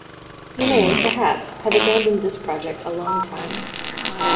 You may, perhaps, have abandoned this project a long time.